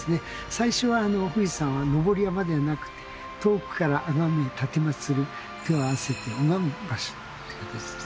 最初は富士山は登る山じゃなくて遠くからあがめ奉る手を合わせて拝む場所ということですね。